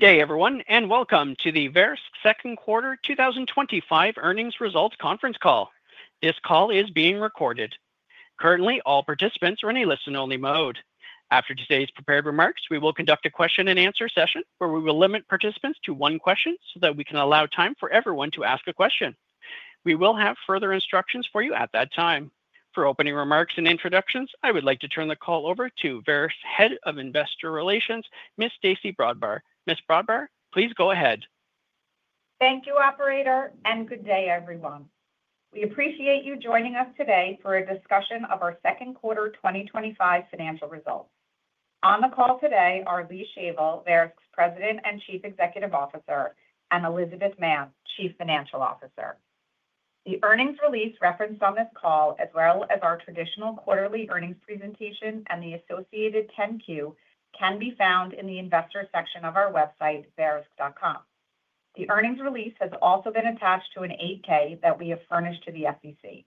Good day, everyone, and welcome to the Verisk Second Quarter 2025 Earnings Results Conference Call. This call is being recorded. Currently, all participants are in a listen-only mode. After today's prepared remarks, we will conduct a question and answer session where we will limit participants to one question so that we can allow time for everyone to ask a question. We will have further instructions for you at that time. For opening remarks and introductions, I would like to turn the call over to Veris's Head of Investor Relations, Ms. Stacy Broadbar. Ms. Broadbar, please go ahead. Thank you, operator, and good day everyone. We appreciate you joining us today for a discussion of our Second Quarter 2025 financial results. On the call today are Lee Shavel, Verisk's President and Chief Executive Officer, and Elizabeth Mann, Chief Financial Officer. The earnings release referenced on this call, as well as our traditional quarterly earnings presentation and the associated 10-Q, can be found in the Investor section of our website, verisk.com. The earnings release has also been attached to an 8-K that we have furnished to the SEC.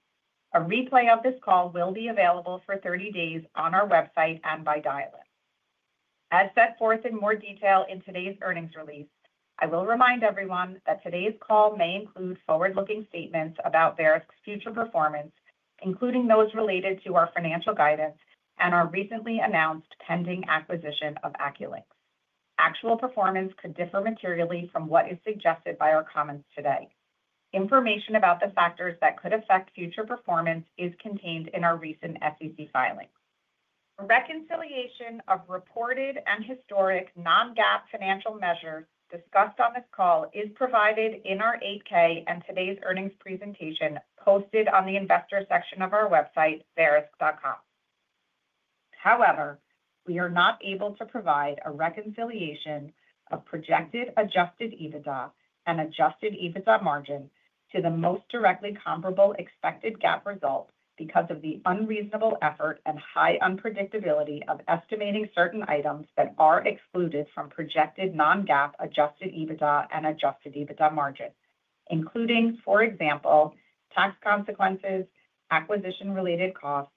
A replay of this call will be available for 30 days on our website and by dial-in. As set forth in more detail in today's earnings release, I will remind everyone that today's call may include forward-looking statements about Verisk's future performance, including those related to our financial guidance and our recently announced pending acquisition of AccuLynx. Actual performance could differ materially from what is suggested by our comments today. Information about the factors that could affect future performance is contained in our recent SEC filings. A reconciliation of reported and historic non-GAAP financial measures discussed on this call is provided in our 8-K and today's earnings presentation posted on the Investor section of our website verisk.com. However, we are not able to provide a reconciliation of projected adjusted EBITDA and adjusted EBITDA margin to the most directly comparable expected GAAP result because of the unreasonable effort and high unpredictability of estimating certain items that are excluded from projected non-GAAP adjusted EBITDA and adjusted EBITDA margin, including, for example, tax consequences, acquisition-related costs,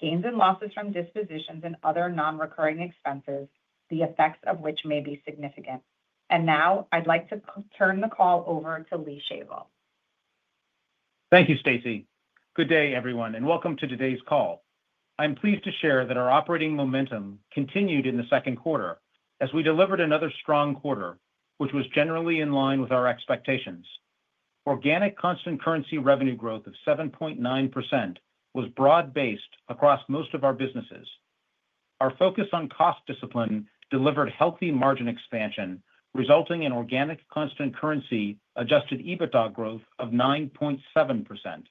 gains and losses from dispositions, and other non-recurring expenses, the effects of which may be significant. Now I'd like to turn the call over to Lee Shavel. Thank you, Stacy. Good day, everyone, and welcome to today's call. I'm pleased to share that our operating momentum continued in the second quarter as we delivered another strong quarter, which was generally in line with our expectations. Organic constant currency revenue growth of 7.9% was broad based across most of our businesses. Our focus on cost discipline delivered healthy margin expansion, resulting in organic constant currency adjusted EBITDA growth of 9.7%.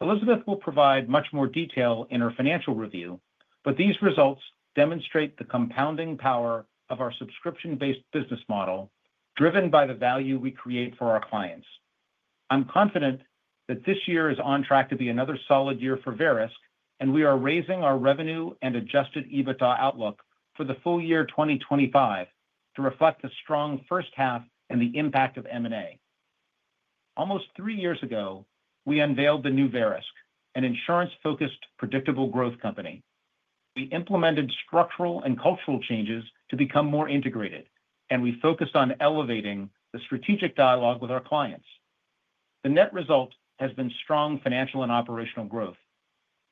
Elizabeth will provide much more detail in her financial review, but these results demonstrate the compounding power of our subscription-based business model driven by the value we create for our clients. I'm confident that this year is on track to be another solid year for Verisk, and we are raising our revenue and adjusted EBITDA outlook for the full year 2025 to reflect the strong first half and the impact of M&A. Almost three years ago, we unveiled the new Verisk, an insurance-focused, predictable growth company. We implemented structural and cultural changes to become more integrated, and we focused on elevating the strategic dialogue with our clients. The net result has been strong financial and operational growth.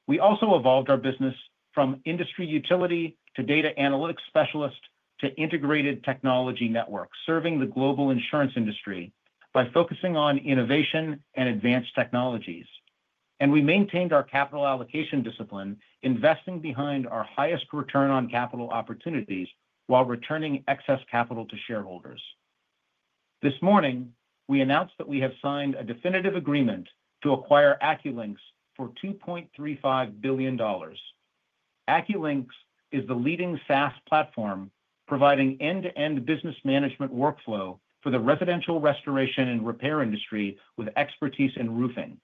We also evolved our business from industry utility to data analytics specialist to integrated technology networks serving the global insurance industry by focusing on innovation and advanced technologies, and we maintained our capital allocation discipline, investing behind our highest return on capital opportunities while returning excess capital to shareholders. This morning, we announced that we have signed a definitive agreement to acquire AccuLynx for $2.35 billion. AccuLynx is the leading SaaS platform providing end-to-end business management workflow for the residential restoration and repair industry with expertise in roofing.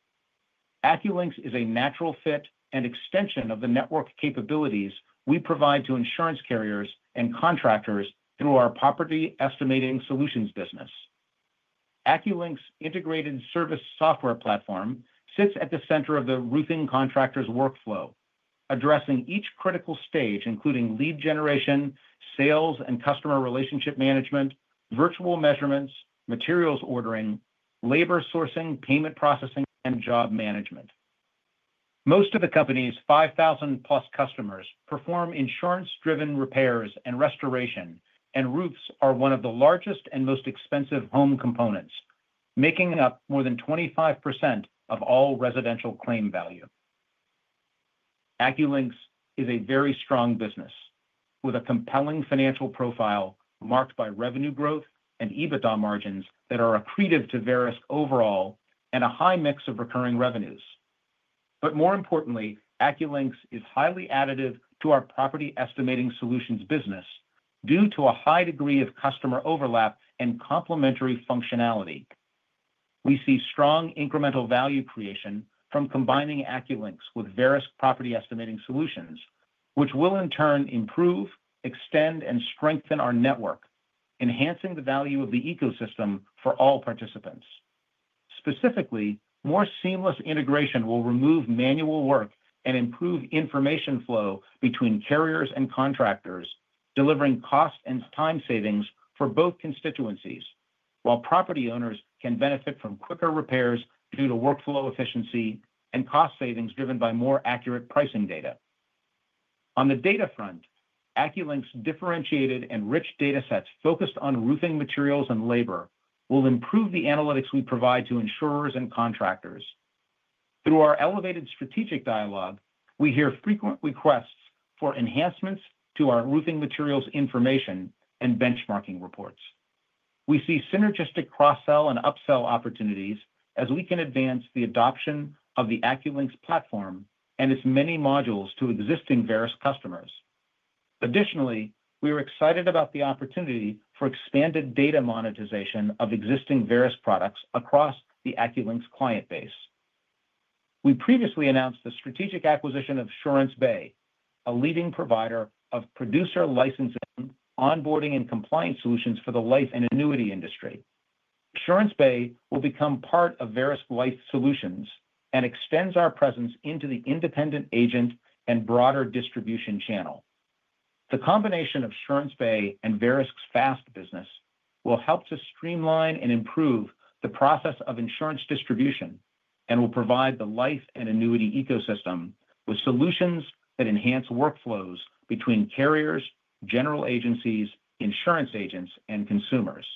AccuLynx is a natural fit and extension of the network capabilities we provide to insurance carriers and contractors through our Property Estimating Solutions business. AccuLynx's integrated service software platform sits at the center of the roofing contractors' workflow, addressing each critical stage, including lead generation, sales and customer relationship management, virtual measurements, materials ordering, labor sourcing, payment processing, and job management. Most of the company's 5,000 plus customers perform insurance-driven repairs and restoration, and roofs are one of the largest and most expensive home components, making up more than 25% of all residential claim value. AccuLynx is a very strong business with a compelling financial profile marked by revenue growth and EBITDA margins that are accretive to Verisk overall and a high mix of recurring revenues. More importantly, AccuLynx is highly additive to our Property Estimating Solutions business due to a high degree of customer overlap and complementary functionality. We see strong incremental value creation from combining AccuLynx with Verisk Property Estimating Solutions, which will in turn improve, extend, and strengthen our network, enhancing the value of the ecosystem for all participants. Specifically, more seamless integration will remove manual work and improve information flow between carriers and contractors, delivering cost and time savings for both constituencies. Property owners can benefit from quicker repairs due to workflow efficiency and cost savings driven by more accurate pricing data. On the data front, AccuLynx's differentiated and rich data sets focused on roofing materials and labor will improve the analytics we provide to insurers and contractors. Through our elevated strategic dialogue, we hear frequent requests for enhancements to our roofing materials, information, and benchmarking reports. We see synergistic cross-sell and upsell opportunities as we can advance the adoption of the AccuLynx platform and its many modules to existing Verisk customers. Additionally, we are excited about the opportunity for expanded data monetization of existing Verisk products across the AccuLynx client base. We previously announced the strategic acquisition of SuranceBay, a leading provider of producer licensing, onboarding, and compliance solutions for the life and annuity industry. SuranceBay will become part of Verisk Life Solutions and extends our presence into the independent agent and broader distribution channel. The combination of SuranceBay and Verisk's fast business will help to streamline and improve the process of insurance distribution, and will provide the life and annuity ecosystem with solutions that enhance workflows between carriers, general agencies, insurance agents, and consumers.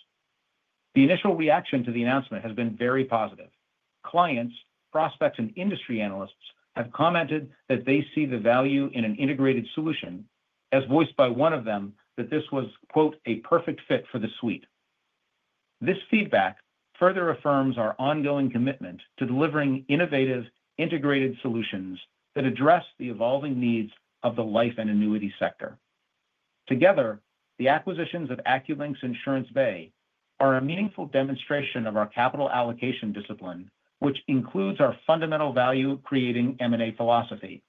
The initial reaction to the announcement has been very positive. Clients, prospects, and industry analysts have commented that they see the value in an integrated solution, as voiced by one of them that this was "quote a perfect fit for the suite". This feedback further affirms our ongoing commitment to delivering innovative, integrated solutions that address the evolving needs of the life and annuity sector. Together, the acquisitions of AccuLynx and SuranceBay are a meaningful demonstration of our capital allocation discipline, which includes our fundamental value-creating M&A philosophy.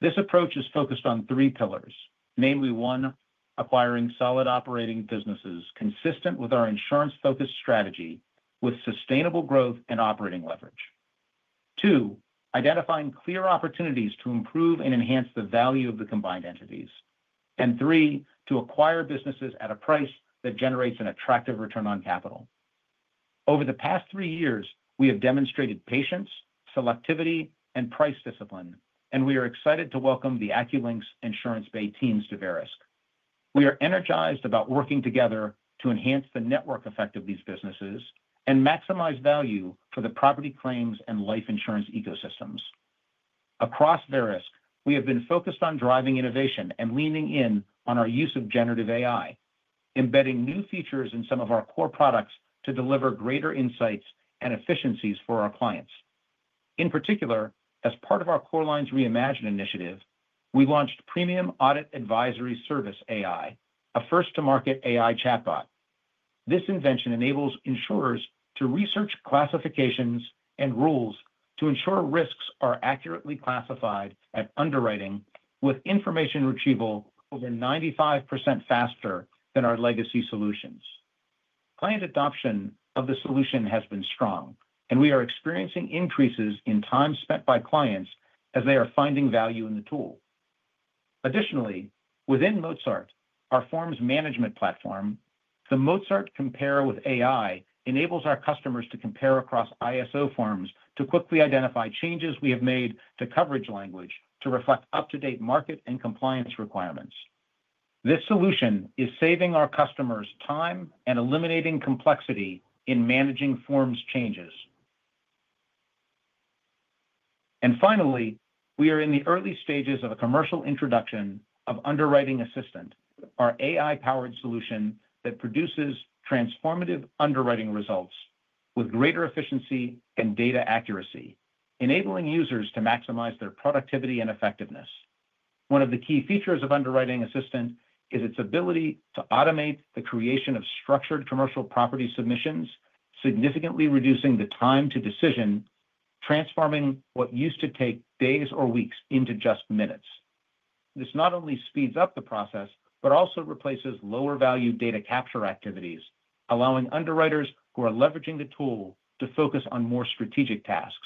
This approach is focused on three pillars: namely, one, acquiring solid operating businesses, consistent with our insurance-focused strategy with sustainable growth and operating leverage; two, identifying clear opportunities to improve and enhance the value of the combined entities; and three, to acquire businesses at a price that generates an attractive return on capital. Over the past three years, we have demonstrated patience, selectivity, and price discipline, and we are excited to welcome the AccuLynx and SuranceBay teams to Verisk. We are energized about working together to enhance the network effect of these businesses and maximize value for the property claims, and life insurance ecosystems across Verisk. We have been focused on driving innovation and leaning in on our use of generative AI, embedding new features in some of our core products to deliver greater insights and efficiencies for our clients. In particular, as part of our Core Lines Reimagine initiative, we launched Premium Audit Advisory Service AI, a first-to-market AI chatbot. This invention enables insurers to research classifications and rules to ensure risks are accurately classified at underwriting with information retrieval over 95% faster than our legacy solutions. Client adoption of the solution has been strong, and we are experiencing increases in time spent by clients as they are finding value in the tool. Additionally, within Mozart, our forms management platform, the Mozart compare with AI enables our customers to compare across ISO forms to quickly identify changes we have made to coverage language to reflect up-to-date market and compliance requirements. This solution is saving our customers time and eliminating complexity in managing forms changes. Finally, we are in the early stages of a commercial introduction of Underwriting Assistant, our AI-powered solution that produces transformative underwriting results with greater efficiency and data accuracy, enabling users to maximize their productivity and effectiveness. One of the key features of Underwriting Assistant is its ability to automate the creation of structured commercial property submissions, significantly reducing the time to decision, transforming what used to take days or weeks into just minutes. This not only speeds up the process but also replaces lower value data capture activities, allowing underwriters who are leveraging the tool to focus on more strategic tasks.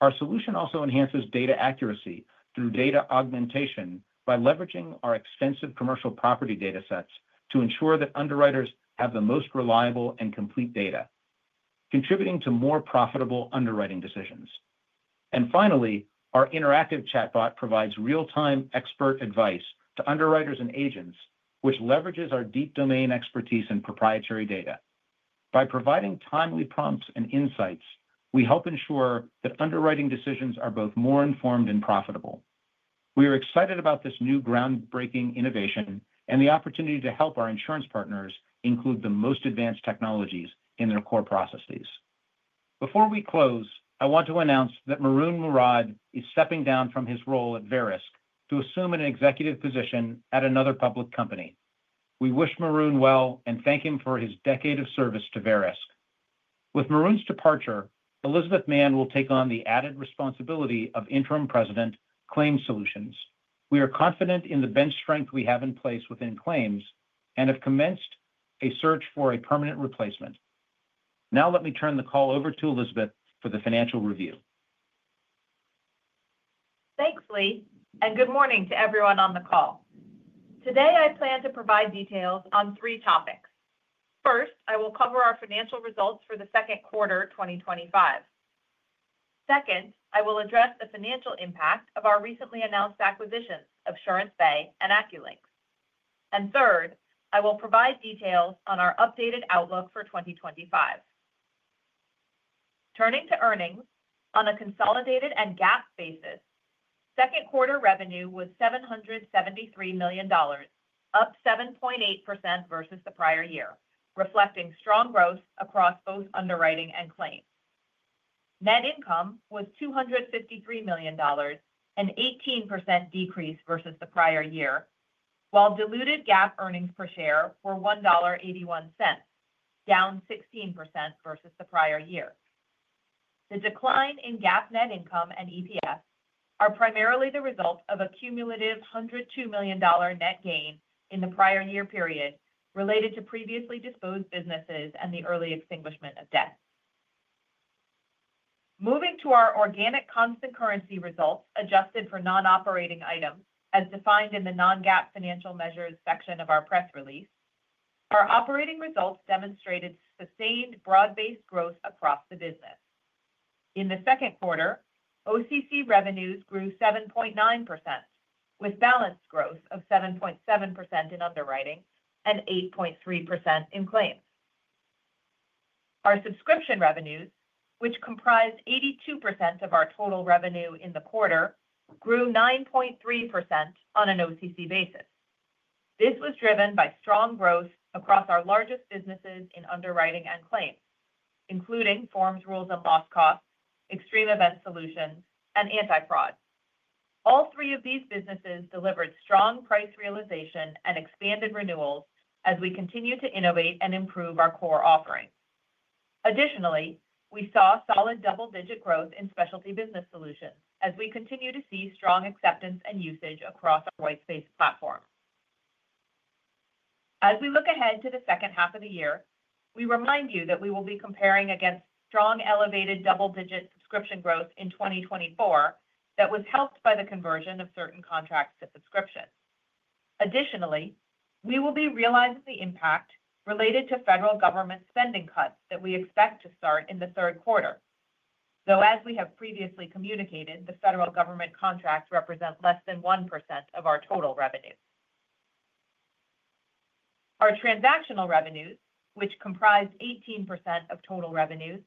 Our solution also enhances data accuracy through data augmentation by leveraging our extensive commercial property data sets to ensure that underwriters have the most reliable and complete data contributing to more profitable underwriting decisions. Finally, our interactive chatbot provides real-time expert advice to underwriters and agents, which leverages our deep domain expertise and proprietary data. By providing timely prompts and insights, we help ensure that underwriting decisions are both more informed and profitable. We are excited about this new groundbreaking innovation and the opportunity to help our insurance partners include the most advanced technologies in their core processes. Before we close, I want to announce that Maroun Mourad is stepping down from his role at Verisk to assume an executive position at another public company. We wish Maroun well and thank him for his decade of service to Verisk. With Maroun's departure, Elizabeth Mann will take on the added responsibility of Interim President, Claims Solutions. We are confident in the bench strength we have in place within claims, and have commenced a search for a permanent replacement. Now let me turn the call over to Elizabeth for the financial review. Thanks Lee and good morning to everyone on the call. Today I plan to provide details on three topics. First, I will cover our financial results for the second quarter 2025. Second, I will address the financial impact of our recently announced acquisitions of SuranceBay and AccuLynx. And third, I will provide details on our updated outlook for 2025. Turning to earnings on a consolidated and GAAP basis, second quarter revenue was $773 million, up 7.8% versus the prior year, reflecting strong growth across both underwriting and claims. Net income was $253 million, an 18% decrease versus the prior year, while diluted GAAP earnings per share were $1.81, down 16% versus the prior year. The decline in GAAP net income and EPS are primarily the result of a cumulative $102 million net gain in the prior year period related to previously disposed businesses and the early extinguishment of debt. Moving to our organic constant currency results adjusted for non operating items as defined in the non-GAAP Financial Measures section of our press release, our operating results demonstrated sustained broad based growth across the business in the second quarter. OCC revenues grew 7.9% with balanced growth of 7.7% in underwriting and 8.3% in claims. Our subscription revenues, which comprised 82% of our total revenue in the quarter, grew 9.3% on an OCC basis. This was driven by strong growth across our largest businesses in underwriting and claims including forms, rules and loss costs, Extreme Event Solutions, and Anti Fraud. All three of these businesses delivered strong price realization and expanded renewals as we continue to innovate and improve our core offerings. Additionally, we saw solid double digit growth in specialty business solutions as we continue to see strong acceptance and usage across our White Space platform. As we look ahead to the second half of the year, we remind you that we will be comparing against strong elevated double-digit subscription growth in 2024 that was helped by the conversion of certain contracts to subscriptions. Additionally, we will be realizing the impact related to federal government spending cuts that we expect to start in the third quarter. Though as we have previously communicated, the federal government contracts represent less than 1% of our total revenue. Our transactional revenues, which comprised 18% of total revenues,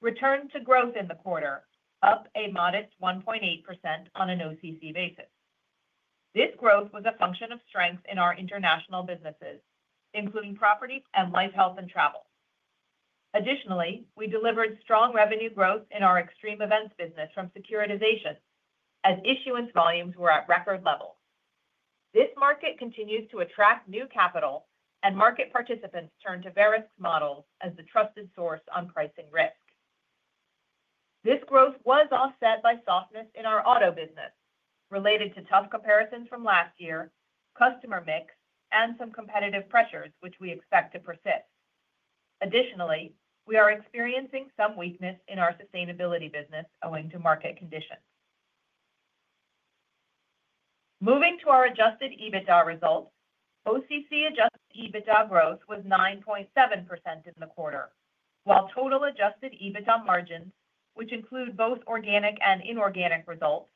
returned to growth in the quarter, up a modest 1.8% on an OCC basis. This growth was a function of strength in our international businesses including property and life, health and travel. Additionally, we delivered strong revenue growth in our extreme events business from securitization as issuance volumes were at record levels. This market continues to attract new capital, and market participants turn to Verisk's models as the trusted source on pricing risk. This growth was offset by softness in our auto business related to tough comparisons from last year, customer mix and some competitive pressures which we expect to persist. Additionally, we are experiencing some weakness in our sustainability business owing to market conditions. Moving to our adjusted EBITDA results, OCC adjusted EBITDA growth was 9.7% in the quarter, while total adjusted EBITDA margins, which include both organic and inorganic results,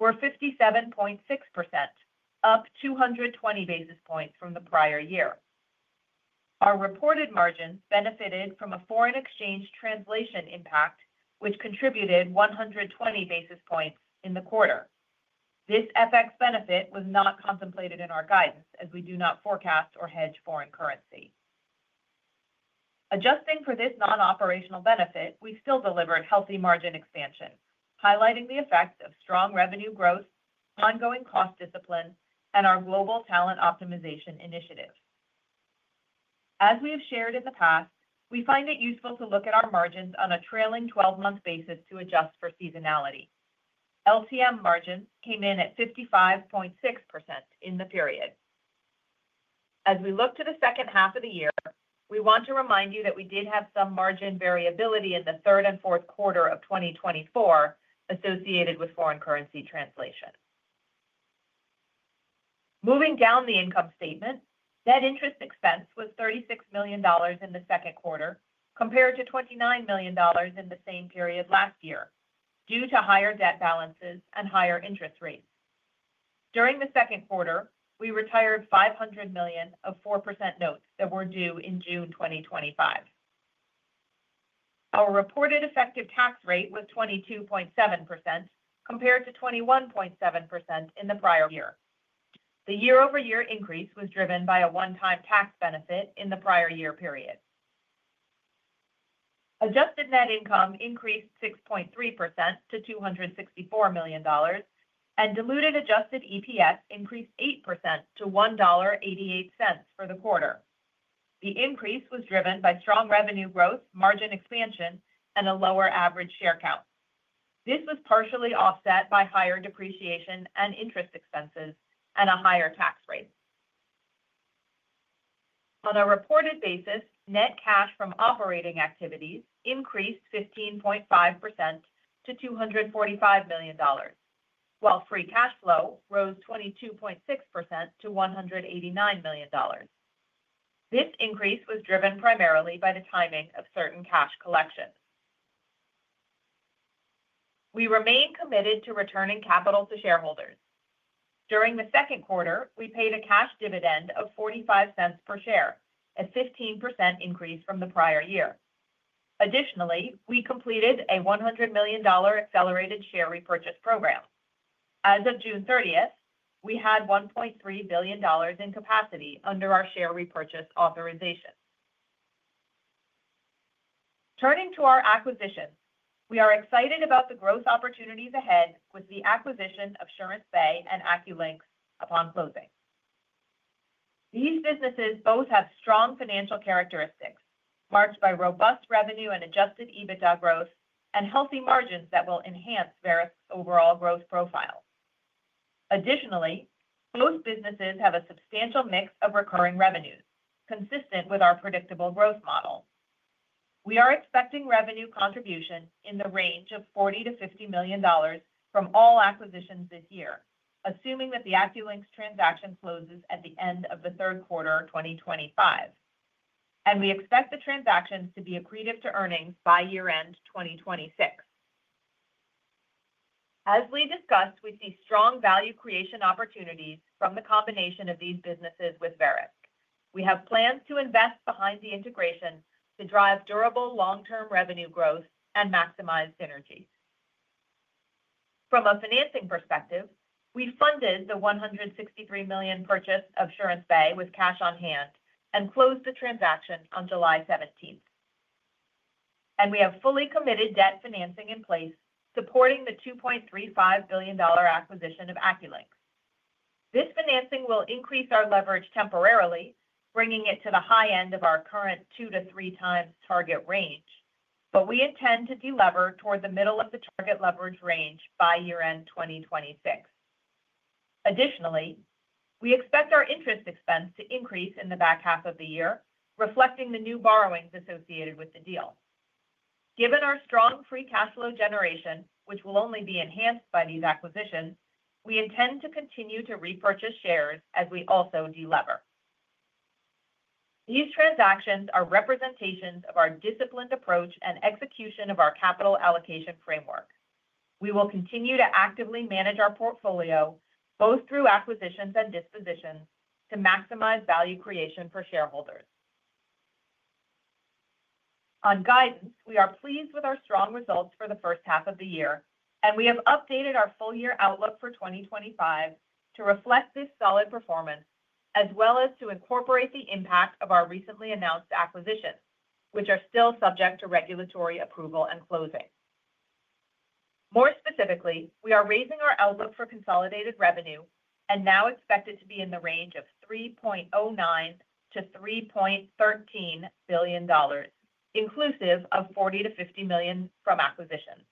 were 57.6%, up 220 basis points from the prior year. Our reported margin benefited from a foreign exchange translation impact which contributed 120 basis points in the quarter. This FX benefit was not contemplated in our guidance, as we do not forecast or hedge foreign currency. Adjusting for this non operational benefit, we still delivered healthy margin expansion highlighting the effects of strong revenue growth, ongoing cost discipline, and our global talent optimization initiatives. As we have shared in the past, we find it useful to look at our margins on a trailing twelve month basis to adjust for seasonality. LTM margin came in at 55.6% in the period. As we look to the second half of the year, we want to remind you that we did have some margin variability in the third and fourth quarter of 2024 associated with foreign currency translation. Moving down the income statement, debt interest expense was $36 million in the second quarter compared to $29 million in the same period last year due to higher debt balances and higher interest rates. During the second quarter, we retired $500 million of 4% notes that were due in June 2025. Our reported effective tax rate was 22.7% compared to 21.7% in the prior year. The year-over-year increase was driven by a one time tax benefit. In the prior year period. Adjusted net income increased 6.3% to $264 million, and diluted adjusted EPS increased 8% to $1.88 for the quarter. The increase was driven by strong revenue growth, margin expansion and a lower average share count. This was partially offset by higher depreciation and interest expenses and a higher tax rate. On a reported basis, net cash from operating activities increased 15.5% to $245 million while free cash flow rose 22.6% to $189 million. This increase was driven primarily by the timing of certain cash collections. We remain committed to returning capital to shareholders. During the second quarter, we paid a cash dividend of $0.45 per share, a 15% increase from the prior year. Additionally, we completed a $100 million accelerated share repurchase program. As of June 30, we had $1.3 billion in capacity under our share repurchase authorization. Turning to our acquisitions, we are excited about the growth opportunities ahead with the acquisition of SuranceBay and AccuLynx upon closing. These businesses both have strong financial characteristics marked by robust revenue and adjusted EBITDA growth and healthy margins that will enhance Verisk's own overall growth profile. Additionally, both businesses have a substantial mix of recurring revenues consistent with our predictable growth model. We are expecting revenue contribution in the range of $40-$50 million from all acquisitions this year, assuming that the AccuLynx transaction closes at the end of the Q3 2025. And we expect the transactions to be accretive to earnings by year-end 2026. As Lee discussed, we see strong value creation opportunities from the combination of these businesses with Verisk. We have plans to invest behind the integration to drive durable long term revenue growth and maximize synergy. From a financing perspective, we funded the $163 million purchase of SuranceBay with cash on hand and closed the transaction on July 17 and we have fully committed debt financing in place supporting the $2.35 billion acquisition of AccuLynx. This financing will increase our leverage temporarily bringing it to the high end of our current two to three times target range, but we intend to delever toward the middle of the target leverage range by year-end 2026. Additionally, we expect our interest expense to increase in the back half of the year reflecting the new borrowings associated with the deal. Given our strong free cash flow generation, which will only be enhanced by these acquisitions, we intend to continue to repurchase shares as we also delever. These transactions are representations of our disciplined approach and execution of our capital allocation framework. We will continue to actively manage our portfolio both through acquisitions and dispositions to maximize value creation for shareholders. On guidance we are pleased with our strong results for the first half of the year and we have updated our full year outlook for 2025 to reflect this solid performance as well as to incorporate the impact of our recently announced acquisitions which are still subject to regulatory approval and closing. More specifically, we are raising our outlook for consolidated revenue and now expect it to be in the range of $3.09-$3.13 billion inclusive of $40-$50 million from acquisitions.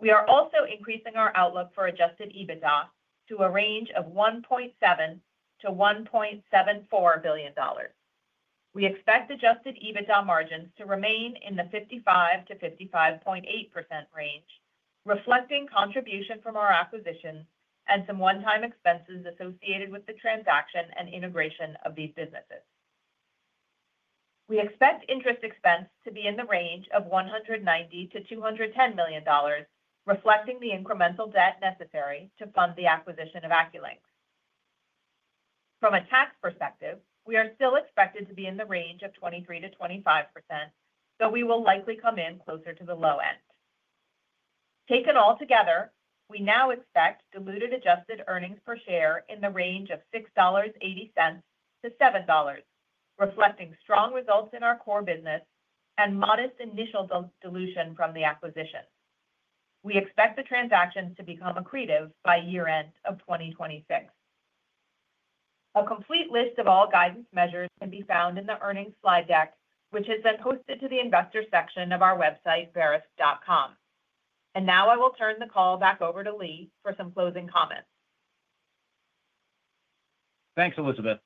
We are also increasing our outlook for adjusted EBITDA to a range of $1.7-$1.74 billion. We expect adjusted EBITDA margins to remain in the 55-55.8% range reflecting contribution from our acquisition and some one-time expenses associated with the transaction and integration of these businesses. We expect interest expense to be in the range of $190-$210 million reflecting the incremental debt necessary to fund the acquisition of AccuLynx. From a tax perspective, we are still expected to be in the range of 23-25%, so we will likely come in closer to the low end. Taken altogether, we now expect diluted adjusted earnings per share in the range of $6.80-$7.00, reflecting strong results in our core business and modest initial dilution from the acquisition. We expect the transactions to become accretive by year-end of 2026. A complete list of all guidance measures can be found in the Earnings Slide Deck, which has been posted to the Investor section of our website, verisk.com and now I will turn the call back over to Lee for some closing comments. Thanks, Elizabeth.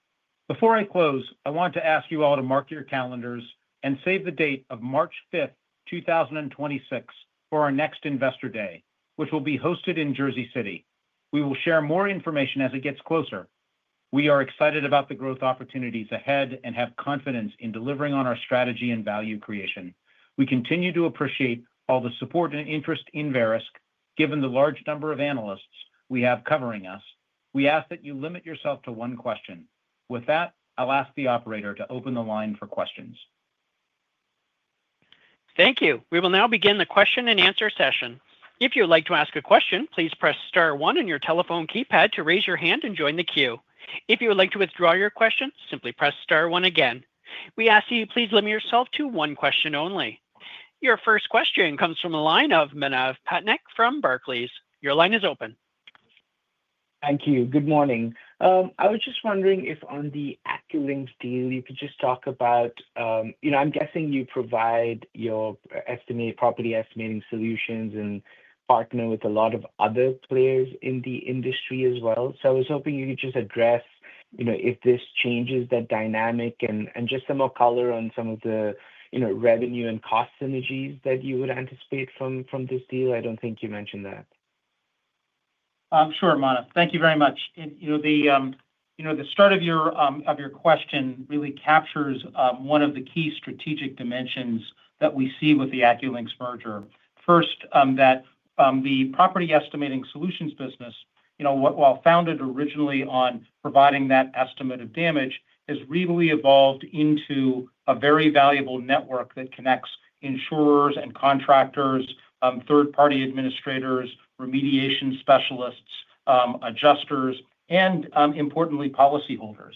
Before I close, I want to ask you all to mark your calendars and save the date of March 5, 2026, for our next Investor Day, which will be hosted in Jersey City. We will share more information as it gets closer. We are excited about the growth opportunities ahead and have confidence in delivering on our strategy and value creation. We continue to appreciate all the support and interest in Verisk given the large number of analysts we have covering us. We ask that you limit yourself to one question. With that, I'll ask the operator to open the line for questions. Thank you. We will now begin the question and answer session. If you'd like to ask a question, please press star one on your telephone keypad to raise your hand and join the queue. If you would like to withdraw your question, simply press star one. Again, we ask you please limit yourself to one question only. Your first question comes from the line of Manav Patnik from Barclays. Your line is open. Thank you. Good morning. I was just wondering if on the AccuLynx deal you could just talk about, you know, I'm guessing you provide your estimate, Property Estimating Solutions, and partner with a lot of other players in the industry as well. I was hoping you could just address if this changes that dynamic and just some more color on some of the revenue and cost synergies that you would anticipate from this deal. I don't think you mentioned that. Sure, Manav. Thank you very much. The start of your question really captures one of the key strategic dimensions that we see with the AccuLynx merger. First, that the Property Estimating Solutions business, you know, while founded originally on providing that estimate of damage, has really evolved into a very valuable network that connects insurers and contractors, third-party administrators, remediation specialists, adjusters, and importantly, policyholders.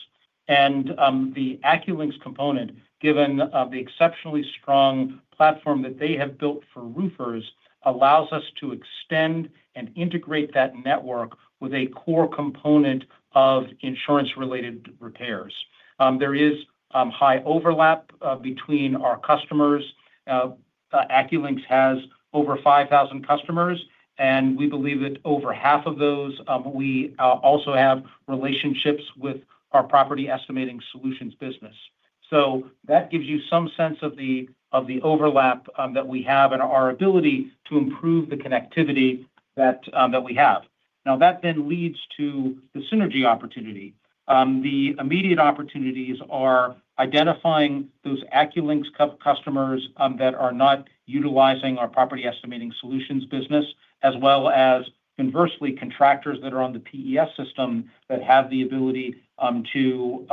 The AccuLynx component, given the exceptionally strong platform that they have built for roofers, allows us to extend and integrate that network with a core component of insurance-related repairs. There is high overlap between our customers. AccuLynx has over 5,000 customers. And we believe that over half of those we also have relationships with our Property Estimating Solutions business. That gives you some sense of the overlap that we have and our ability to improve the connectivity that we have now. That then leads to the synergy opportunity. The immediate opportunities are identifying those AccuLynx customers that are not utilizing our Property Estimating Solutions business, as well as, conversely, contractors that are on the PES system that have the ability to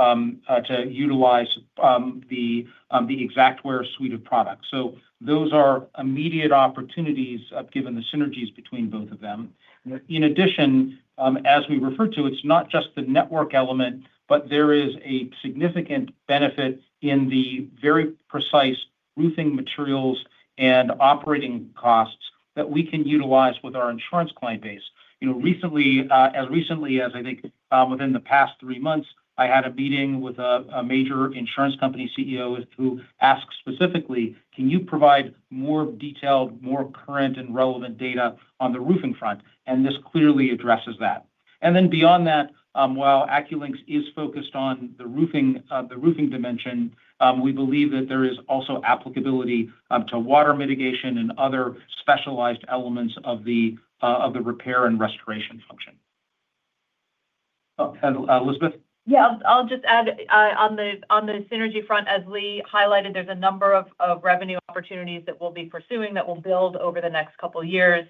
utilize the Xactware suite of products. Those are immediate opportunities given the synergies between both of them. In addition, as we referred to, it is not just the network element, but there is a significant benefit in the very precise roofing materials and operating costs that we can utilize with our insurance client base. You know, recently, as recently as, I think within the past three months, I had a meeting with a major insurance company CEO who asked specifically, can you provide more detailed, more current and relevant data on the roofing front, and this clearly addresses that. Beyond that, while AccuLynx is focused on the roofing dimension, we believe that there is also applicability to water mitigation and other specialized elements of the repair and restoration function. Elizabeth? Yeah, I'll just add on the, on the synergy front, as Lee highlighted, there's a number of revenue opportunities that we'll be pursuing that will build over the next couple years.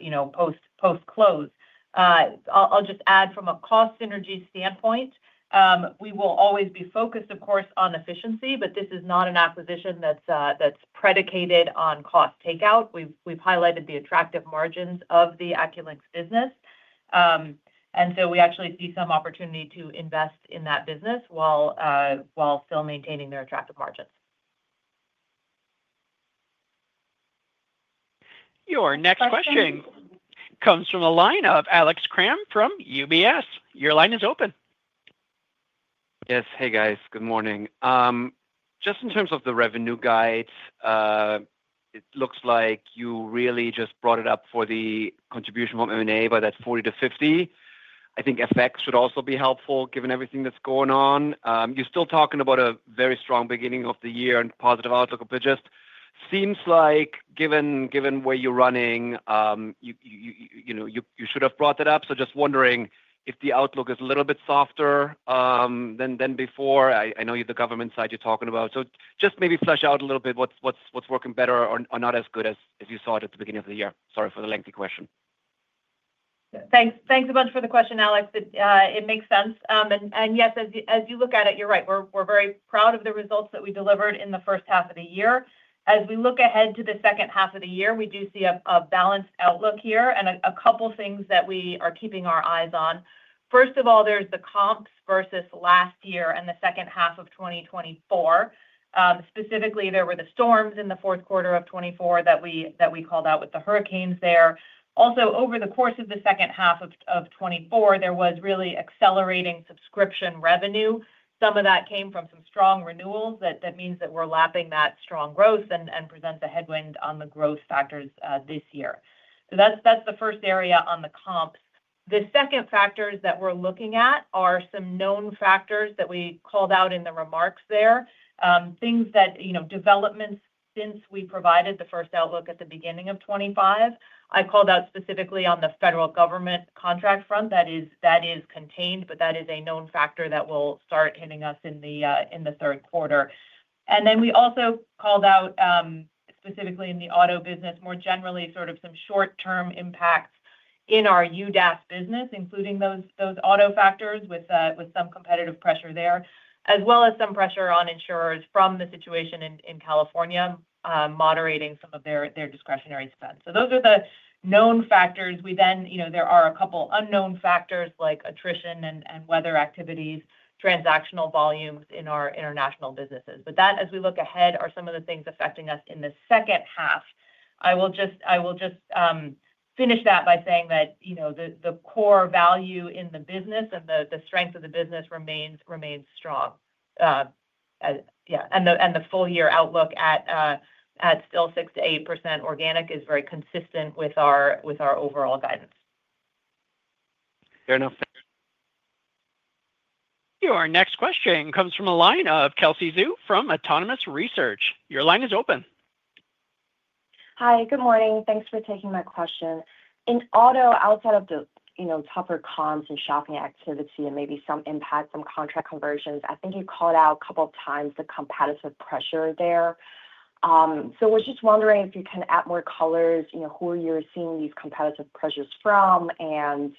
You know, post, post close. I'll just add from a cost Synergy standpoint, we will always be focused, of course, on efficiency, but this is not an acquisition that's predicated on cost takeout. We highlighted the attractive margins of the AccuLynx business and so we actually see some opportunity to invest in that business while still maintaining their attractive margins. Your next question comes from the line of Alex Kramm from UBS. Your line is open. Yes. Hey guys. Good morning. Just in terms of the revenue guide, it looks like you really just brought it up for the contribution from M&A by that $40-$50. I think FX should also be helpful given everything that's going on. You're still talking about a very strong beginning of the year and positive outlook, but just seems like given where you're running, you should have brought that up. Just wondering if the outlook is a little bit softer than before. I know the government side you're talking about, so just maybe flesh out a little bit. What's working better or not as good as you saw it at the beginning of the year. Sorry for the lengthy question. Thanks a bunch for the question, Alex. It makes sense. Yes, as you look at it, you're right. We're very proud of the results that we delivered in the first half of the year. As we look ahead to the second half of the year, we do see a balanced outlook here and a couple things that we are keeping our eyes on. First of all, there's the comps versus last year and the second half of 2024. Specifically, there were the storms in Q4 2024 that we called out with the hurricanes there. Also, over the course of second half of 2024 there was really accelerating subscription revenue. Some of that came from some strong renewals. That means that we're lapping that strong growth and presents a headwind on the growth factors this year. That's the first area on the comps. The second factors that we're looking at are some known factors that we called out in the remarks. There are things that, you know, developments since we provided the first outlook at the beginning of 2024, I called out specifically on the federal government contract front that is contained but that is a known factor that will start hitting us in the third quarter. We also called out specifically in the auto business more generally sort of some short term impacts in our UDAS business, including those auto factors with some components pressure there as well as some pressure on insurers from the situation in California moderating some of their discretionary spend. Those are the known factors. There are a couple unknown factors like attrition and weather activities, transactional volumes in our international businesses. That as we look ahead are some of the things affecting us in the second half. I will just finish that by saying that, you know, the core value in the business and the strength of the business remains strong and the full year outlook at still 6%-8% organic is very consistent with our overall guidance. Fair enough. Our next question comes from the line of Kelsey Zhu from Autonomous Research. Your line is open. Hi, good morning. Thanks for taking my question. In auto, outside of the tougher comps and shopping activity and maybe some impact from contract conversions, I think you called out a couple of times the competitive pressure there. We're just wondering if you can add more color as to who you're seeing these competitive pressures from? And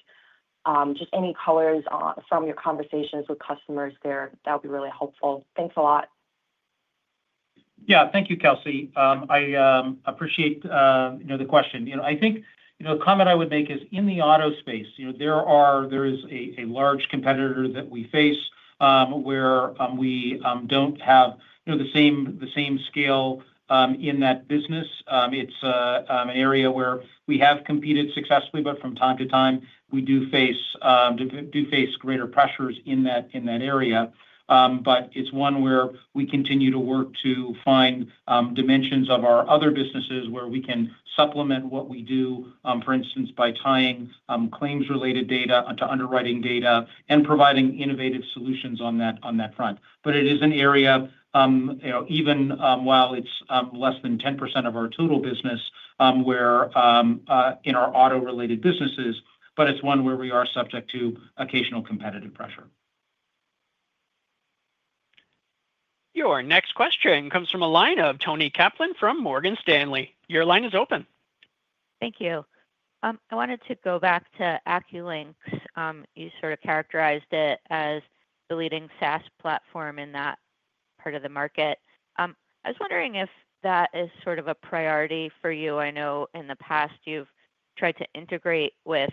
just any color from your conversations with customers there. That would be really helpful. Thanks a lot. Yeah. Thank you Kelsey. I appreciate the question. I think, you know, a comment I would make is in the auto space, you know, there is a large competitor that we face where we don't have the same scale in that business. It's an area where we have competed successfully but from time to time we do face greater pressures in that area. It's one where we continue to work to find dimensions of our other businesses where we can supplement what we do. For instance, by tying claims related data to underwriting data and providing innovative solutions on that front. It is an area even while it's less than 10% of our total business in our auto related businesses. It's one where we are subject to occasional competitive pressure. Your next question comes from a line of Toni Kaplan from Morgan Stanley. Your line is open. Thank you. I wanted to go back to AccuLynx. You sort of characterized it as the leading SaaS platform in that part of the market. I was wondering if that is sort of a priority for you. I know in the past you've tried to integrate with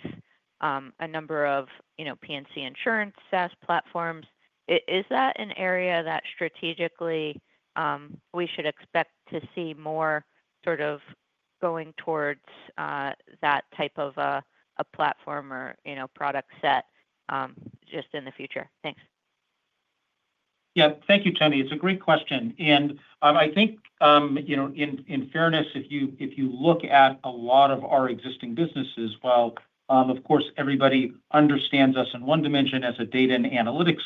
a number of P&C Insurance, SaaS platforms. Is that an area that strategically we should expect to see more sort of going towards that type of a platform or, you know, product set just in the future? Thanks. Yeah. Thank you, Toni. It's a great question and I think, you know, in fairness, if you look at a lot of our existing businesses, while, of course everybody understands us in one dimension as a data and analytics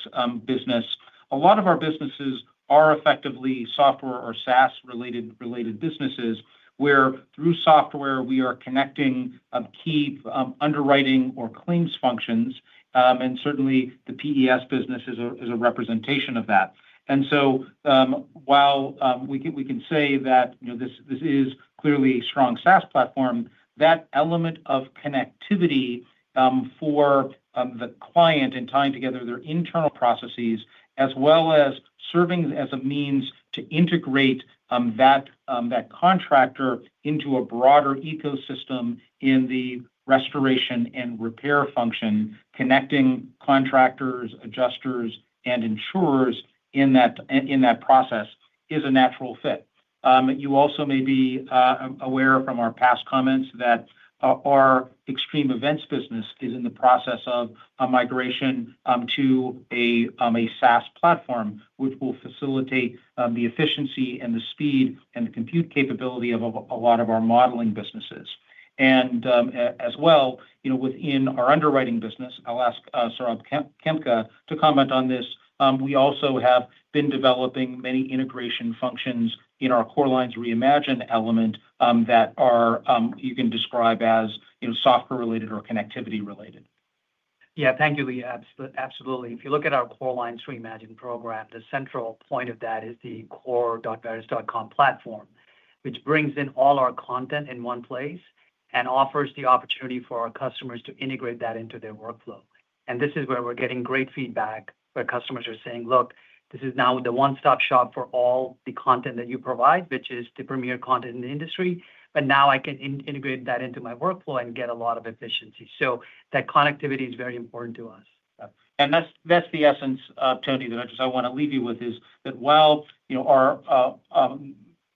business, a lot of our businesses are effectively software or SaaS related businesses where through software we are connecting key underwriting or claims functions. Certainly the PES business is a representation of that. While we can say that this is clearly a strong SaaS platform, that element of connectivity for the client and tying together their internal processes as well as serving as a means to integrate that contractor into a broader ecosystem in the restoration and repair function, connecting contractors, adjusters and insurers in that process is a natural fit. You also may be aware from our past comments that our Extreme Event Solutions business is in the process of a migration to a SaaS platform which will facilitate the efficiency, and the speed, and the compute capability of a lot of our Modeling businesses and as well within our Underwriting business. I'll ask Saurabh Khemka to comment on this. We also have been developing many integration functions in our Core Lines Reimagine element that are, you can describe as software related or connectivity related. Yeah. Thank you, Lee. Absolutely. If you look at our Core Lines Reimagine program, the central point of that is the core.verisk.com platform which brings in all our content in one place and offers the opportunity for our customers to integrate that into their workflow. This is where we're getting great feedback, where customers are saying, look, this is now the one stop shop for all the content that you provide, which is the premier content in the industry. Now I can integrate that into my workflow and get a lot of efficiency. That connectivity is very important to us. That's the essence, Toni, that I just want to leave you with is that while our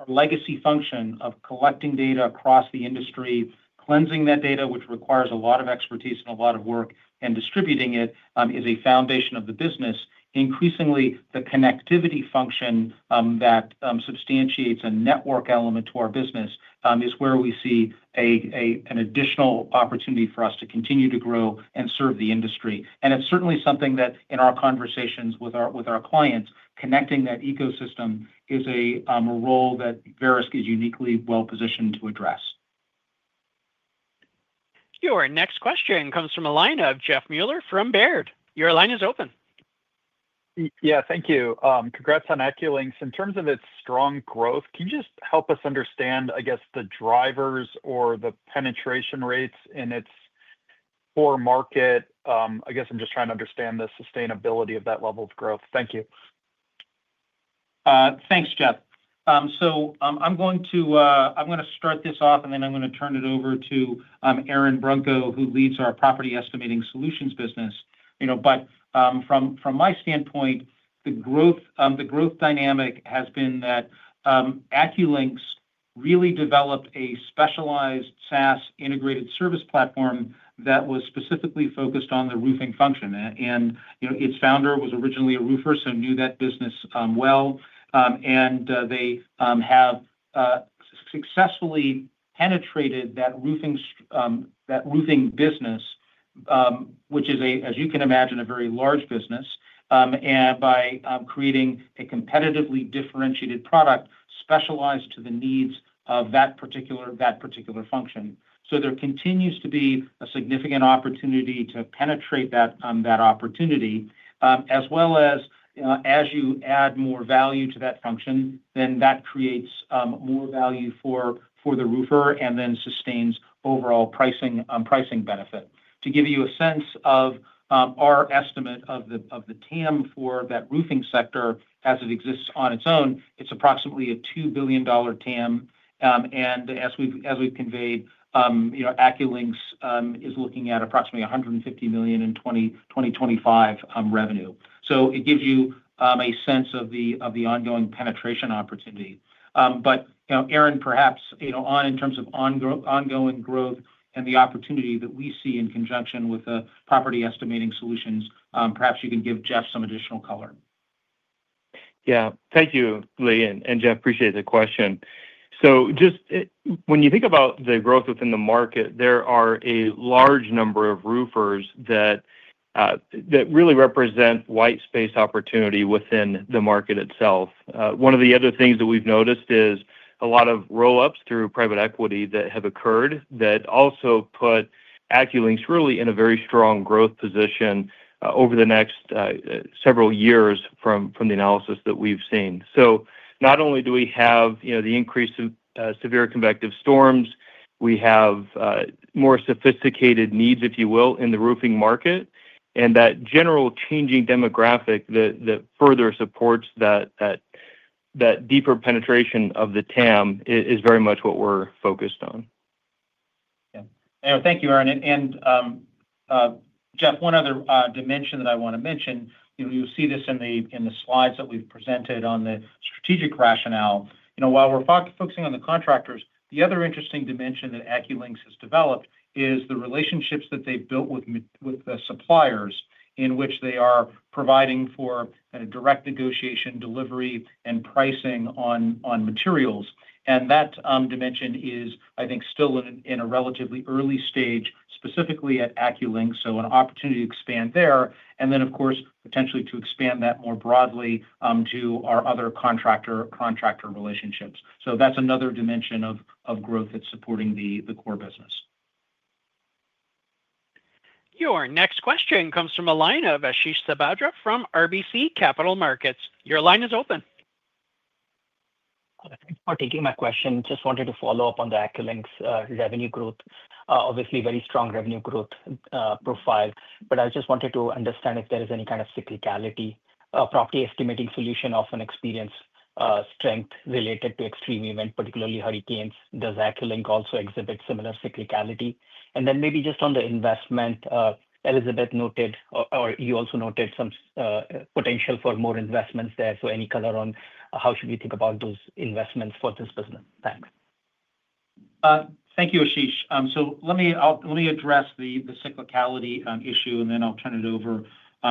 legacy function of collecting data across the industry, cleansing that data, which requires a lot of expertise and a lot of work, and distributing it, is a foundation of the business, increasingly, the connectivity function that substantiates a network element to our business is where we see an additional opportunity for us to continue to grow and serve the industry. It's certainly something that in our conversations with our clients, connecting that ecosystem is a role that Verisk is uniquely well positioned to address. Your next question comes from a line of Jeff Meuler from Baird. Your line is open. Yeah. Thank you. Congrats on AccuLynx in terms of its strong growth. Can you just help us understand, I guess, the drivers or the penetration rates in its core market? I guess I'm just trying to understand the sustainability of that level of growth. Thank you. Thanks, Jeff. I'm gonna start this off, and then I'm gonna turn it over to Aaron Brunko, who leads our Property Estimating Solutions business. From my standpoint, the growth dynamic has been that AccuLynx really developed a specialized SaaS integrated service platform that was specifically focused on the roofing function. Its founder was originally a roofer, so knew that business well, and they have successfully penetrated that roofing business, which is, as you can imagine, a very large business. By creating a competitively differentiated product specialized to the needs of that particular function, there continues to be a significant opportunity to penetrate that opportunity. As you add more value to that function, then that creates more value for the roofer and then sustains overall pricing benefit. To give you a sense of our estimate of the TAM for that roofing sector as it exists on its own, it's approximately a $2 billion TAM. As we've conveyed, AccuLynx is looking at approximately $150 million in 2025 revenue, so it gives you a sense of the ongoing penetration opportunity. Aaron, perhaps in terms of ongoing growth and the opportunity that we see in conjunction with the Property Estimating Solutions, perhaps you can give Jeff some additional color. Yeah. Thank you, Lee, and Jeff, appreciate the question. Just when you think about the growth within the market, there are a large number of roofers that really represent White Space opportunity within the market itself. One of the other things that we've noticed is a lot of roll ups through private equity that have occurred that also put AccuLynx really in a very strong growth position over the next several years from the analysis that we've seen. Not only do we have the increase of severe convective storms, we have more sophisticated needs, if you will, in the roofing market. That general changing demographic that further supports that deeper penetration of the TAM is very much what we're focused on. Thank you, Aaron, and Jeff. One other dimension that I want to mention, you'll see this in the slides that we've presented on the strategic rationale. While we're focusing on the contractors, the other interesting dimension that AccuLynx has developed is the relationships that they've built with the suppliers in which they are providing for direct negotiation, delivery and pricing on materials. That dimension is, I think, still in a relatively early stage, specifically at AccuLynx, so an opportunity to expand there and then of course potentially to expand that more broadly to our other contractor relationships. That's another dimension of growth that's supporting the core business. Your next question comes from a line of Ashish Sabadra from RBC Capital Markets. Your line is open. Thanks for taking my question. Just wanted to follow up on the AccuLynx revenue growth. Obviously, very strong revenue growth profile. I just wanted to understand if there is any kind of cyclicality. Property Estimating Solutions often experience strength related to extreme events, particularly hurricanes. Does AccuLynx also exhibit similar cyclicality? Maybe just on the investment Elizabeth noted or you also noted some potential for more investments there. Any color on how should we think about those investments for this business? Thanks. Thank you, Ashish. Let me address the cyclicality issue and then I'll turn it over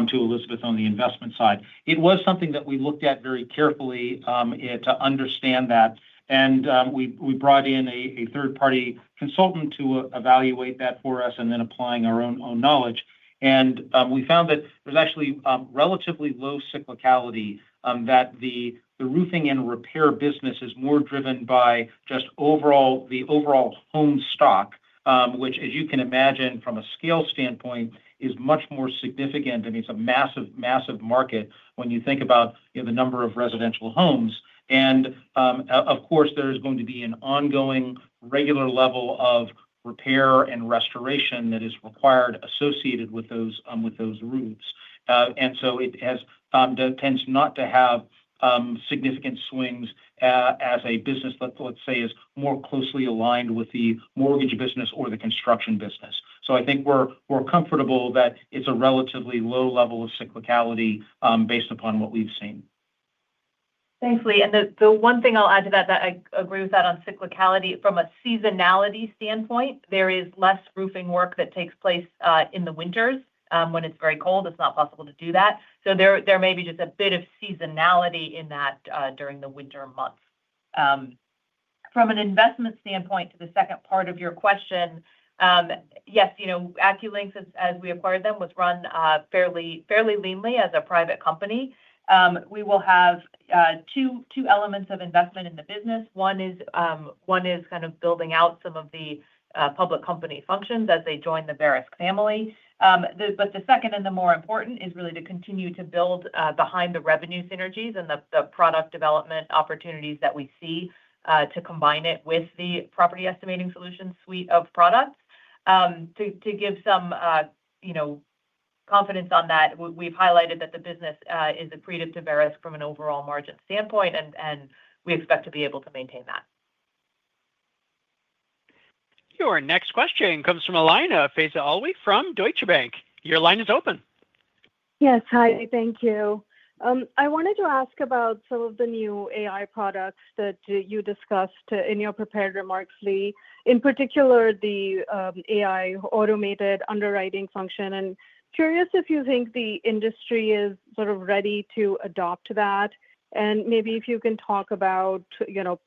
to Elizabeth on the investment side. It was something that we looked at very carefully to understand that and we brought in a third-party consultant to evaluate that for us. Applying our own knowledge, we found that there's actually relatively low cyclicality, that the roofing and repair business is more driven by just overall, the overall home stock, which as you can imagine from a scale standpoint is much more significant and it's a massive, massive market when you think about the number of residential homes. Of course, there is going to be an ongoing regular level of repair and restoration that is required associated with those roofs. It tends not to have significant swings as a business that is more closely aligned with the mortgage business or the construction business. I think we're comfortable that it's a relatively low level of cyclicality based upon what we've seen. Thanks, Lee. The one thing I'll add to that, I agree with that on cyclicality from a seasonality standpoint, there is less roofing work that takes place in the winters when it's very cold. It's not possible to do that. There may be just a bit of seasonality in that during the winter months. From an investment standpoint to the second part of your question, yes, you know, AccuLynx as we acquired them, was run fairly leanly as a private company. We will have two elements of investment in the business. One is kind of building out some of the public company functions as they join the Verisk family. The second and the more important is really to continue to build behind the revenue synergies and the product development opportunities that we see to combine it with the Property Estimating Solutions suite of products. To give some, you know, confidence on that. We've highlighted that the business is accretive to Verisk from an overall margin standpoint and we expect to be able to maintain that. Your next question comes from a line of Faiza Alwy from Deutsche Bank. Your line is open. Yes. Hi. Thank you. I wanted to ask about some of the new AI products that you discussed in your prepared remarks, Lee, in particular the AI automated underwriting function. I am curious if you think the industry is sort of ready to adopt that and maybe if you can talk about, you know,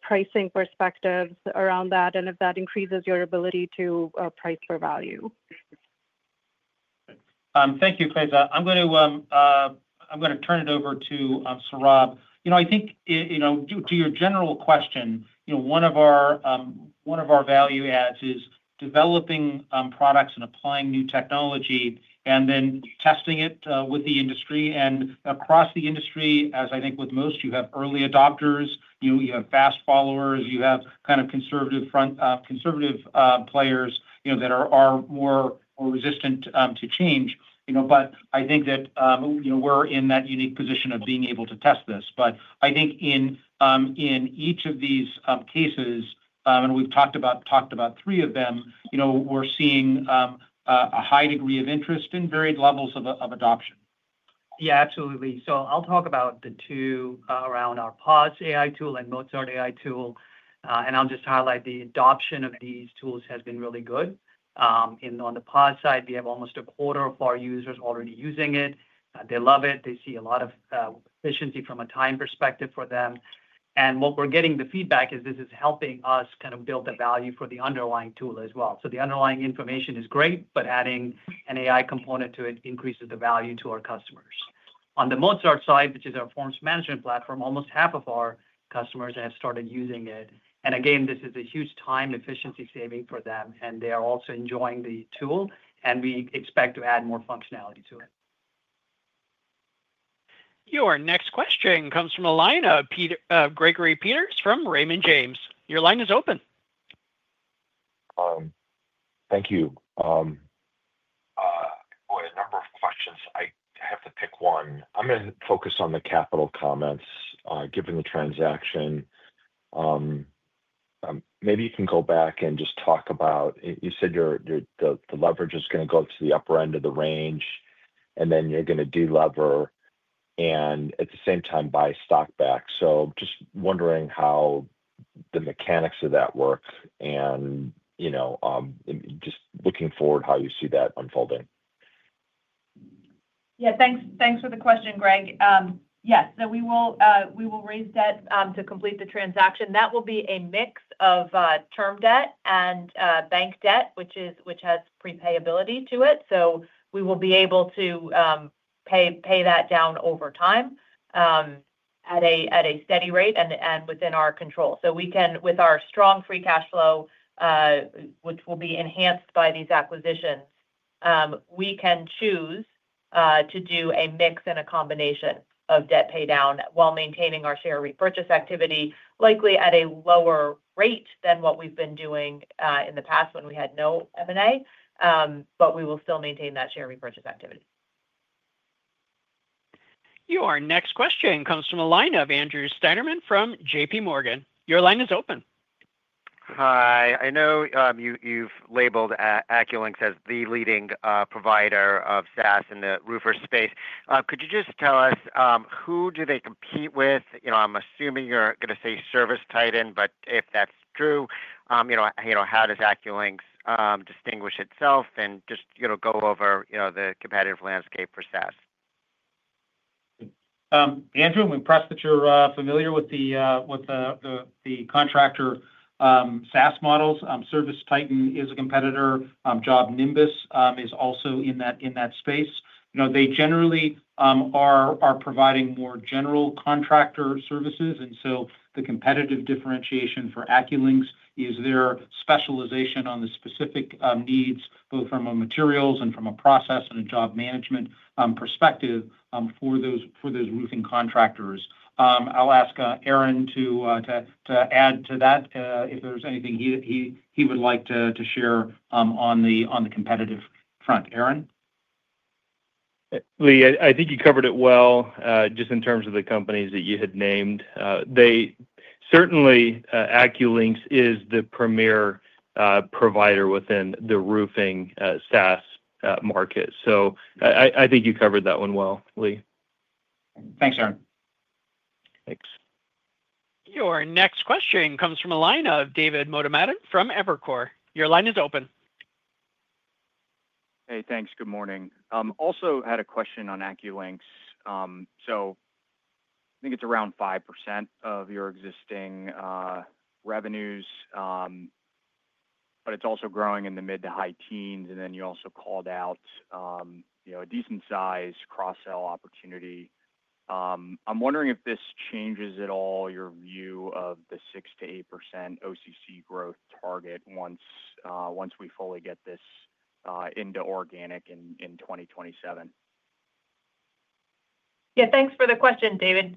pricing perspectives around that and if that increases your ability to price for value. Thank you, Faiza. I'm going to turn it over to Saurabh. You know, I think, you know, to your general question, you know, one of our value adds is developing products and applying new technology and then testing it with the industry and across the industry. As I think with most, you have early adopters, you have fast followers, you have kind of conservative players, you know, that are more resistant to change. You know, but I think that, you know, we're in that unique position of being able to test this. But I think in each of these cases, and we've talked about three of them, you know, we're seeing a high degree of interest in varied levels of adoption. Yeah, absolutely. I'll talk about the two around our PAAS AI tool and Mozart AI tool and I'll just highlight the adoption of these tools has been really good. On the PAAS side, we have almost a quarter of our users already using it. They love it, they see a lot of efficiency from a time perspective for them. And what we're getting, the feedback is this is helping us kind of build the value for the underlying tool as well. So the underlying information is great, but adding an AI component to it increases the value to our customers. On the Mozart side, which is our forms management platform, almost half of our customers have started using it and again, this is a huge time efficiency saving for them and they are also enjoying the tool and we expect to add more functionality to it. Your next question comes from a line of Gregory Peters from Raymond James. Your line is open. Thank you. A number of questions. I have to pick one. I'm going to focus on the capital comments given the transaction, maybe you can go back and just talk about you said the leverage is going to go to the upper end of the range and then you're going to de-lever and at the same time buy stock back. Just wondering how the mechanics of that work and, you know, just looking forward how you see that unfolding. Yeah, thanks. Thanks for the question, Greg. Yes, we will raise debt to complete the transaction. That will be a mix of term debt and bank debt, which has prepayability to it. We will be able to pay that down over time at a steady rate and within our control. With our strong free cash flow, which will be enhanced by these acquisitions, we can choose to do a mix and a combination of debt pay down while maintaining our share repurchase activity, likely at a lower rate than what we've been doing in the past when we had no M&A. We will still maintain that share repurchase activity. Your next question comes from the line of Andrew Steinerman from JP Morgan. Your line is open. Hi. I know you've labeled AccuLynx as the leading provider of SaaS in the roofer space. Could you just tell us who do they compete with? You know, I'm assuming you're going to say ServiceTitan, but if that's true, you know, how does AccuLynx distinguish itself and just, you know, go over, you know, the competitive landscape for SaaS? Andrew, I'm impressed that you're familiar with the, with the contractor SaaS models. ServiceTitan is a competitor. JobNimbus is also in that, in that space, you kno. They generally are providing more general contractor services. The competitive differentiation for AccuLynx is their specialization on the specific needs both from a materials and from a process and a job management perspective for those, for those roofing contractors. I'll ask Aaron to add to that, if there's anything he would like to share on the competitive front. Aaron? Lee, I think you covered it well just in terms of the companies that you had named. Certainly AccuLynx is the premier provider within the roofing SaaS market. I think you covered that one well, Lee. Thanks, Aaron. Thanks. Your next question comes from a line of David Motemaden from Evercore. Your line is open. Hey, thanks. Good morning. Also had a question on AccuLynx. I think it's around 5% of your existing revenues, but it's also growing in the mid to high teens. You also called out a decent size cross-sell opportunity. I'm wondering if this changes at all your view of the 6-8% OCC growth target once we fully get this into organic and in 2027. Yeah, thanks for the question, David.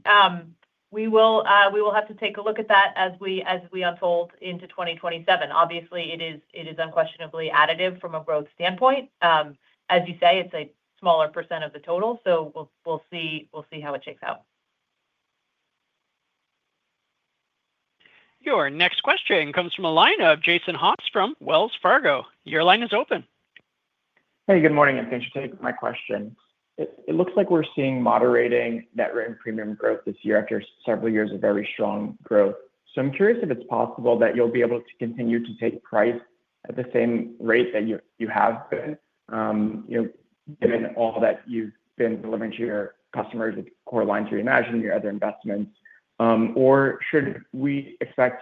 We will have to take a look at that as we unfold into 2027. Obviously it is unquestionably additive from a growth standpoint. As you say, it's a smaller percent of the total. We'll see how it shakes out. Your next question comes from a line of Jason Hass from Wells Fargo. Your line is open. Hey. Good morning and thanks for taking my question. It looks like we're seeing moderating net rent premium growth this year after several years of very strong growth. I'm curious if it's possible that you'll be able to continue to take price at the same rate that you have given all that you've been delivering to your customers with Core Lines Reimagine, your other investments. Or should we expect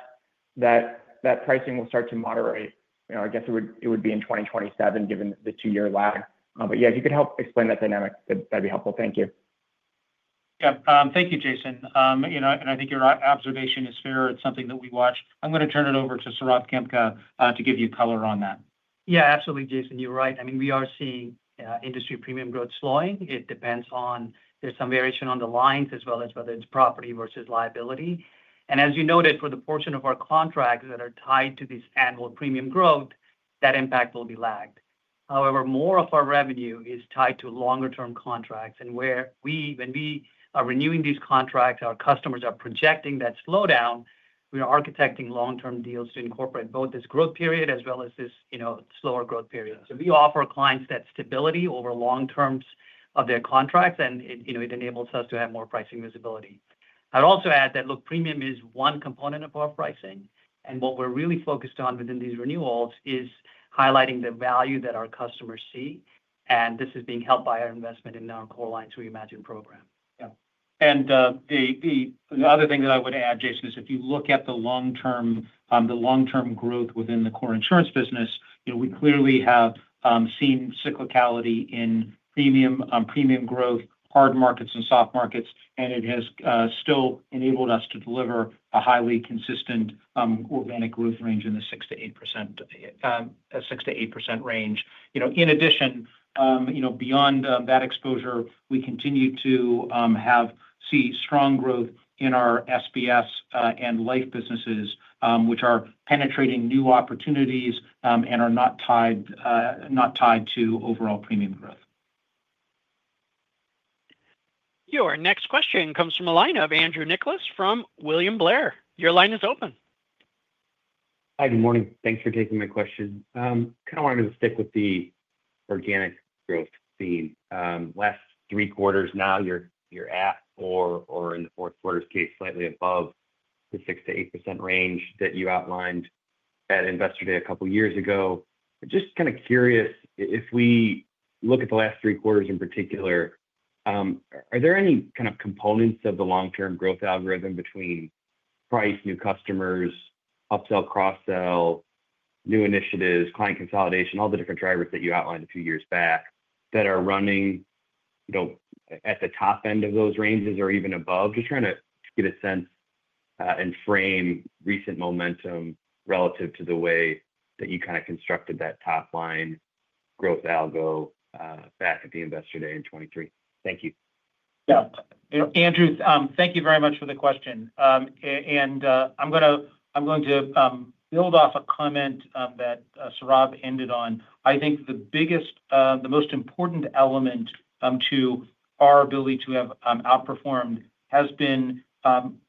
that that pricing will start to moderate? I guess it would be in 2027 given the two year lag. If you could help explain that dynamic, that'd be helpful. Thank you. Thank you, Jason. I think your observation is fair. It's something that we watch. I'm going to turn it over to Saurabh Khemka to give you color on that. Yeah, absolutely, Jason. You're right. We are seeing industry premium growth slowing. It depends on, there's some variation on the lines as well as whether it's property versus liability. As you noted, for the portion of our contracts that are tied to this annual premium growth, that impact will be lagged. However, more of our revenue is tied to longer-term contracts. And when we are renewing these contracts, our customers are projecting that slowdown. We are architecting long term deals to incorporate both this growth period as well as this slower growth period. We offer clients that stability over long terms of their contracts and it enables us to have more pricing visibility. I'd also add that, premium is one component of our pricing. And what we're really focused on within these renewals is highlighting the value that our customers see. And this is being helped by our investment in our Core Lines Reimagine program. The other thing that I would add, Jason, is if you look at the long term growth within the core insurance business, we clearly have seen cyclicality in premium, premium growth, hard markets and soft markets, and it has still enabled us to deliver a highly consistent organic growth range in the 6-8% range. In addition, beyond that exposure, we continue to see strong growth in our SBS and life businesses, which are penetrating new opportunities and are not tied to overall premium growth. Your next question comes from a line of Andrew Nicholas from William Blair. Your line is open. Hi, good morning. Thanks for taking my question. Kind of wanted to stick with the organic growth theme. Last three quarters, now you're at or in the fourth quarter's case slightly above the 6-8% range that you outlined at Investor Day a couple years ago. Just kind of curious, if we look at the last three quarters in particular, are there any kind of components of the long-term growth algorithm between price, new customers, upsell, cross sell, new initiatives, client consolidation, all the different drivers that you outlined a few years back that are running at the top end of those ranges or even above? Just trying to get a sense and frame recent momentum relative to the way that you kind of constructed that top line growth algo back at the Investor Day in 2023. Thank you. Yeah. Andrew, thank you very much for the question. I'm going to build off a comment that Saurabh ended on. I think the biggest, the most important element to our ability to have outperformed has been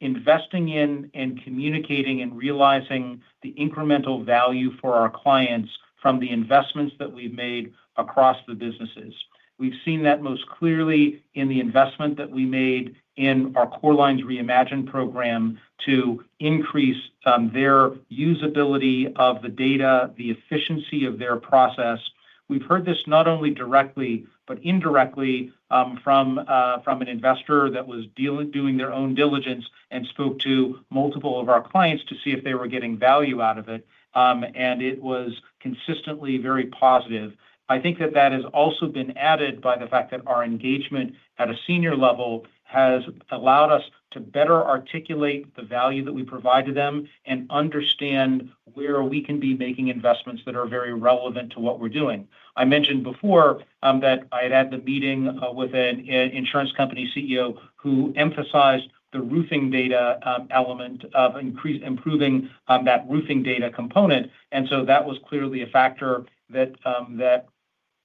investing in and communicating and realizing the incremental value for our clients from the investments that we've made across the businesses. We've seen that most clearly in the investment that we made in our Core Lines Reimagine program to increase their usability of the data, the efficiency of their process. We've heard this not only directly but indirectly from an investor that was doing their own diligence and spoke to multiple of our clients to see if they were getting value out of it, and it was consistently very positive. I think that that has also been added by the fact that our engagement at a senior level has allowed us to better articulate the value that we provide to them and understand where we can be making investments that are very relevant to what we're doing. I mentioned before that I had the meeting with an insurance company CEO who emphasized the roofing data element of increasing, improving that roofing data component, and that was clearly a factor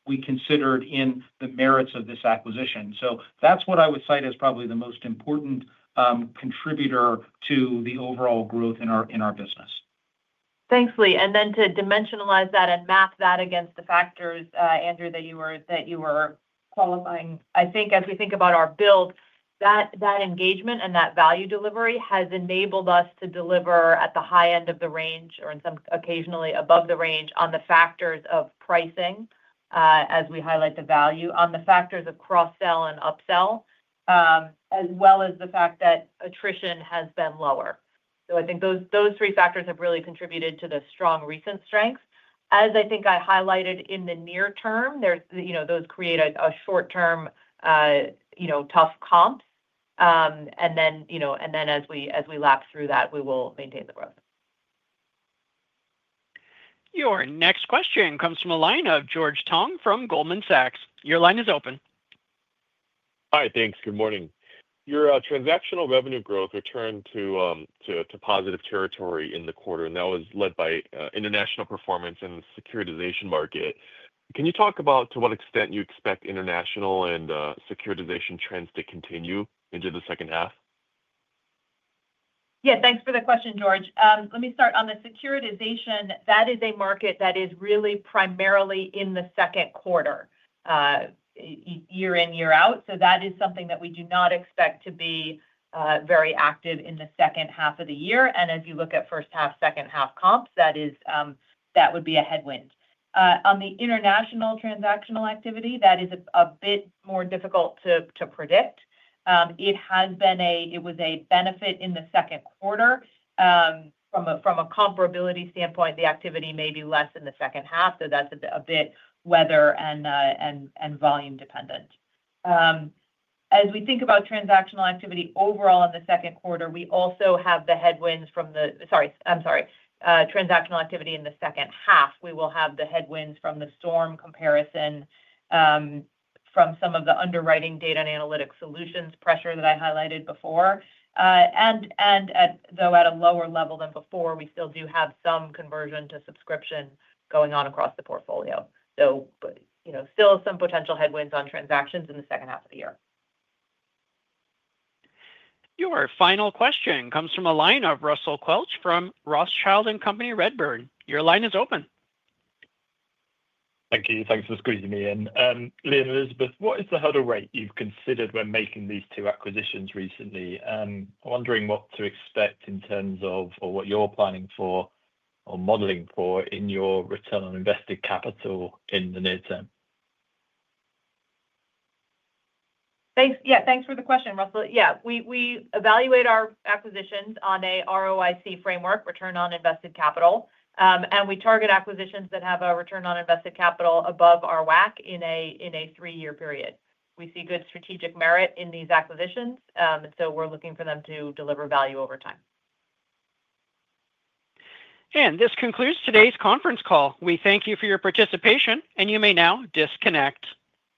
that we considered in the merits of this acquisition. That's what I would cite as probably the most important contributor to the overall growth in our business. Thanks, Lee. To dimensionalize that and map that against the factors, Andrew, that you were qualifying, I think as we think about our build, that engagement and that value delivery has enabled us to deliver at the high end of the range or occasionally above the range on the factors of pricing as we highlight the value, on the factors of cross sell and upsell, as well as the fact that attrition has been lower. I think those three factors have really contributed to the strong recent strength. As I highlighted, in the near term, those create a short term tough comps, and then as we lap through that, we will maintain the growth. Your next question comes from a line of George Tong from Goldman Sachs. Your line is open. Hi, thanks. Good morning. Your transactional revenue growth returned to positive territory in the quarter, and that was led by international performance and securitization market. Can you talk about to what extent you expect international and securitization trends to continue into the second half? Yeah. Thanks for the question, George. Let me start, on the securitization, that is a market that is really proud primarily in the second quarter, year in, year out. That is something that we do not expect to be very active in the second half of the year. As you look at first half, second half comps, that would be a headwind on the international transactional activity that is a bit more difficult to predict. It has been a, it was a benefit in the second quarter from a comparability standpoint, the activity may be less in the second half. That is a bit weather and volume dependent. As we think about transactional activity overall in the second quarter, we also have the headwinds from the—sorry, I'm sorry, transactional activity in the second half, we will have the headwinds from the storm comparison from some of the underwriting data and analytics solutions pressure that I highlighted before. Though at a lower level than before, we still do have some conversion to subscription going on across the portfolio. Still some potential headwinds on transactions in the second half of the year. Your final question comes from a line of Russell Quelch from Rothschild & Co Redburn. Your line is open. Thank you. Thanks for squeezing me in. Lee and Elizabeth, what is the hurdle rate you've considered when making these two acquisitions recently? Wondering what to expect in terms of or what you're planning for or modeling for in your return on invested capital in the near term? Thanks. Yeah, thanks for the question, Russell. Yeah, we evaluate our acquisitions on a ROIC framework, return on invested capital. And we target acquisitions that have a return on invested capital above our WACC in a three-year period. We see good strategic merit in these acquisitions, so we're looking for them to deliver value over time. This concludes today's conference call. We thank you for your participation, and you may now disconnect.